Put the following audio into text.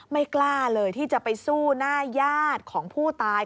ไม่กล้าเลยที่จะไปสู้หน้าญาติของผู้ตาย